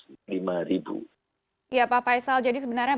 ya pak faisal jadi sebenarnya banyak sekali investor yang mencari uang